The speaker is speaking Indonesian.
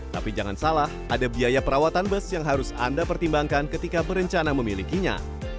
tapi jangan salah ada biaya perawatan bus yang harus anda pertimbangkan ketika berencana memilikinya